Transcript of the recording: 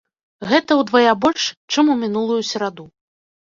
Гэта ўдвая больш, чым у мінулую сераду.